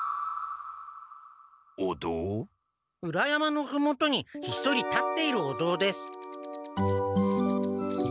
裏山のふもとにひっそりたっているおどうです。